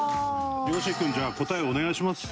陽心君じゃあ答えをお願いします。